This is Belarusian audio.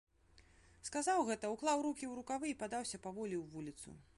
Сказаў гэта, уклаў рукі ў рукавы і падаўся паволі ў вуліцу.